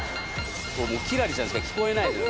もう輝星ちゃんしか聞こえないよ